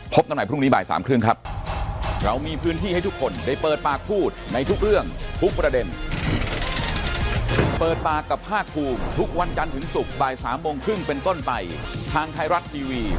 กันใหม่พรุ่งนี้บ่ายสามครึ่งครับ